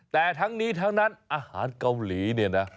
แต่ทั้งนี้ทั้งนั้นอาหารเกาหลีเนี่ยนะ